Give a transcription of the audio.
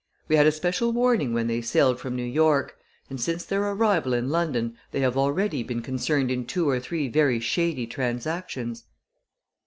We had a special warning when they sailed from New York, and since their arrival in London they have already been concerned in two or three very shady transactions."